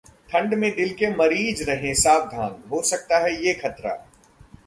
ठंड में दिल के मरीज रहें सावधान, हो सकता है ये खतरा